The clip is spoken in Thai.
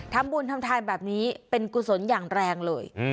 ทำบุญทำทานแบบนี้เป็นกุศลอย่างแรงเลย